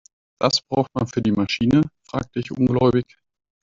Das braucht man für die Maschine?, fragte ich ungläubig.